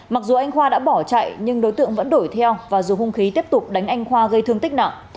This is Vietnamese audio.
mặc dù anh khoa đã bỏ chạy nhưng đối tượng vẫn đổi theo và dùng hung khí tiếp tục đánh anh khoa gây thương tích nặng